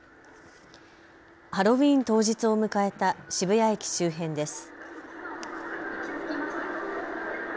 ハロウィーン当日を迎えた渋谷駅周辺です。